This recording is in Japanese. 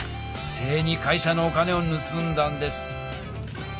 正に会社のお金をぬすんだんです。